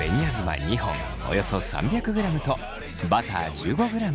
およそ３００ｇとバター１５ｇ。